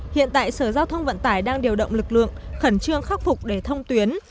hiện tại sở giao thông vận tải đang điều động lực lượng khẩn trương khắc phục để thông tuyến